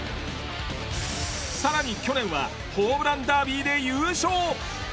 さらに去年はホームランダービーで優勝！